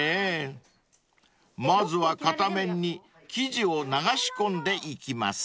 ［まずは片面に生地を流し込んでいきます］